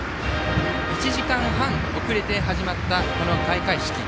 １時間半遅れて始まったこの開会式。